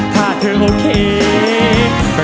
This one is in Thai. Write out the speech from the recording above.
ถ้าเธอโอเค